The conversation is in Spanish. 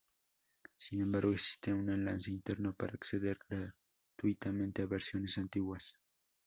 Sin embargo, existe un enlace interno para acceder gratuitamente a versiones antiguas.